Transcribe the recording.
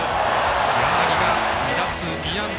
柳が２打数２安打。